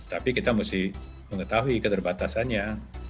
tapi kita mesti mengetahui keterbatasannya